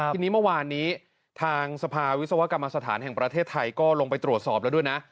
ทีนี้เมื่อวานนี้ทางสภาวิศวกรรมสถานแห่งประเทศไทยก็ลงไปตรวจสอบแล้วด้วยนะ